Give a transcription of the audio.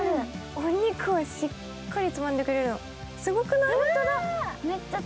お肉をしっかりつまんでくれるの、すごくない？